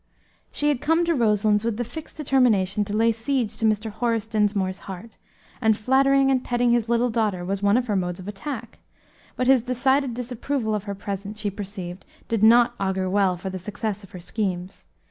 She had come to Roselands with the fixed determination to lay siege to Mr. Horace Dinsmore's heart, and flattering and petting his little daughter was one of her modes of attack; but his decided disapproval of her present, she perceived, did not augur well for the success of her schemes.